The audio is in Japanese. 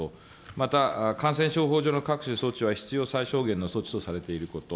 また、感染症法上の各種措置は必要最小限の措置とされていること。